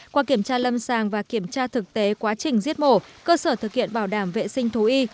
qua kiểm tra lâm sàng và kiểm tra thực tế quá trình giết mổ cơ sở thực hiện bảo đảm vệ sinh thú y